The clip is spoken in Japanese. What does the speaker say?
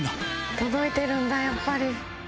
届いてるんだ、やっぱり。